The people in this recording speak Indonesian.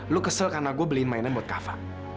lu kesel karena gue beliin mainan buat kafa